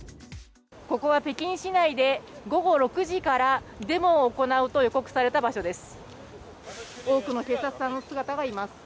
ここは北京市内で午後６時からデモを行うと予告された場所です。